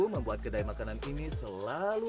membuat kedai makanan ini selalu